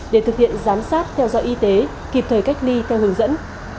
để thực hiện giám sát theo dõi y tế kịp thời cách ly theo hướng dẫn